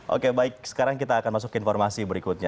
oke baik sekarang kita akan masuk ke informasi berikutnya